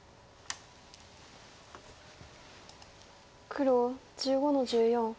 黒１５の十四。